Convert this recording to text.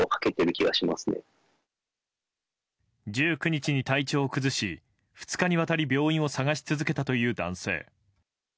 １９日に体調を崩し２日にわたり病院を探し続けたという男性。